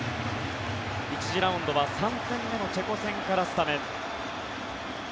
１次ラウンドは３戦目のチェコ戦からスタメン。